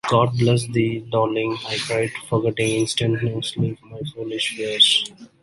‘God bless thee, darling!’ I cried, forgetting instantaneously my foolish fears.